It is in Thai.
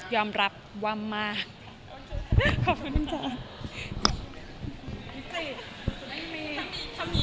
ยอมรับว่าต้องยอมสอบละสิ